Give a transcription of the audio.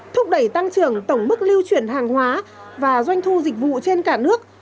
thúc đẩy tăng trưởng tổng mức lưu chuyển hàng hóa và doanh thu dịch vụ trên cả nước